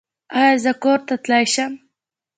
ایا زه کور ته تللی شم؟